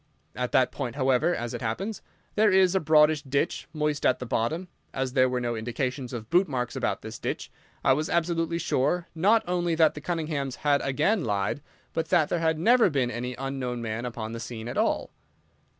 At that point, however, as it happens, there is a broadish ditch, moist at the bottom. As there were no indications of bootmarks about this ditch, I was absolutely sure not only that the Cunninghams had again lied, but that there had never been any unknown man upon the scene at all.